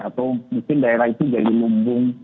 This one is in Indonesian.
atau mungkin daerah itu jadi lumbung